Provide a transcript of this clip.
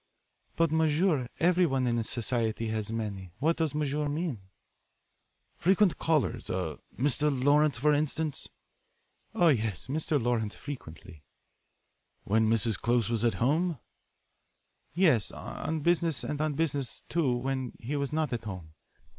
"But, m'sieur, everyone in society has many. What does m'sieur mean?" "Frequent callers a Mr. Lawrence, for instance?" "Oh, yes, Mr. Lawrence frequently." "When Mr. Close was at home?" "Yes, on business and on business, too, when he was not at home.